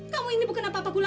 kamu ini bukan apa apa ku lagi